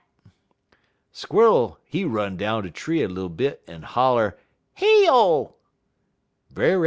_ "Squer'l he run down de tree little bit en holler, 'Heyo!'